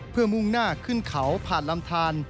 เพื่อมุ่งหน้าขึ้นเขาผ่านลำทาน